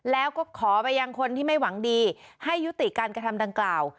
แล้วก็ขอไปยังคนที่ไม่หวังดีให้ยุติการกระทำดังกล่าว